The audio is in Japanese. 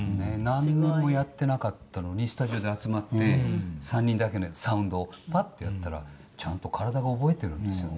なんにもやってなかったのにスタジオで集まって３人だけのサウンドをパッとやったらちゃんと体が覚えてるんですよね。